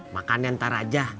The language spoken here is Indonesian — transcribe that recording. makannya ntar aja